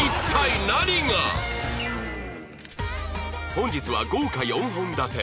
本日は豪華４本立て